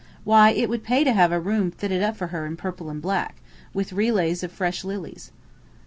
Why, it would pay to have a room fitted up for her in purple and black, with relays of fresh lilies."